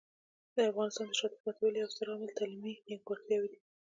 د افغانستان د شاته پاتې والي یو ستر عامل تعلیمي نیمګړتیاوې دي.